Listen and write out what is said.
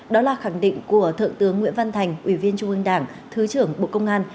đó là khẳng định của thượng tướng nguyễn văn thành ủy viên trung ương đảng thứ trưởng bộ công an